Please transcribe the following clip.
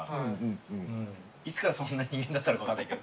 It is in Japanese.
いつからそんな人間になったのか分かんないけど。